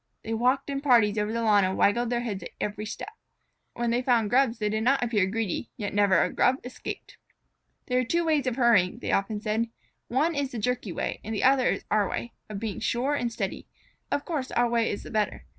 They walked in parties over the lawn and waggled their heads at each step. When they found Grubs they did not appear greedy, yet never a Grub escaped. "There are two ways of hurrying," they often said. "One is the jerky way and the other is our way, of being sure and steady. Of course our way is the better.